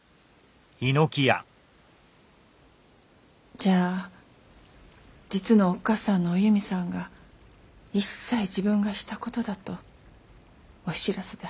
じゃあ実のおっかさんのお弓さんが一切自分がしたことだとお白洲で白状を？